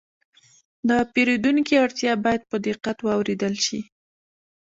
د پیرودونکي اړتیا باید په دقت واورېدل شي.